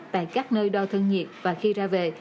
tại các nơi đo thân nhiệt và khi ra về